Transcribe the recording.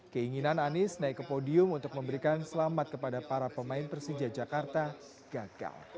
keinginan anies naik ke podium untuk memberikan selamat kepada para pemain persija jakarta gagal